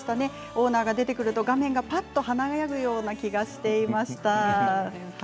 オーナーが出てくると画面がぱっと華やぐような気がしていました。